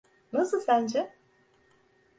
Nasıl sence?